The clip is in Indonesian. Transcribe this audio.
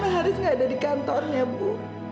karena haris nggak ada di kantornya bu